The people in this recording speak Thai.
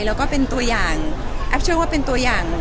แล้วก็เป็นตัวอย่างแอปเชื่อว่าเป็นตัวอย่าง